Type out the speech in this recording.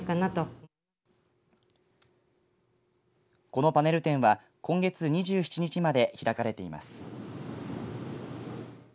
このパネル展は今月２７日まで開かれています。